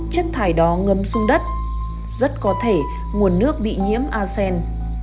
chất thải đó ngầm xuống đất rất có thể nguồn nước bị nhiễm a sen